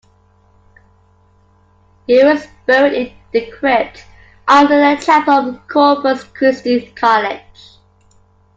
He was buried in the crypt under the chapel of Corpus Christi College.